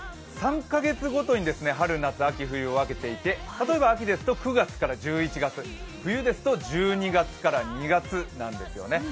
３カ月ごとに春夏秋冬を分けていて例えば秋ですと９月から１１月、冬ですと１２月から２月なんですね。